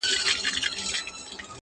• چي هر څو یې وو خپل عقل ځغلولی -